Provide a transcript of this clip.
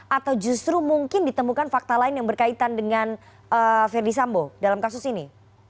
atau justru mungkin ditemukan fakta lain yang berkaitan dengan verdi sambo dalam kasus ini